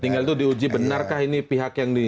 tinggal itu diuji benarkah ini pihak yang di